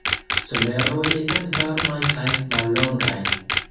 Someroj estas varmaj kaj mallongaj.